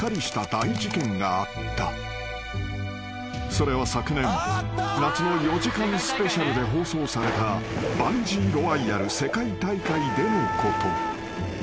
［それは昨年夏の４時間スペシャルで放送されたバンジー・ロワイアル世界大会でのこと］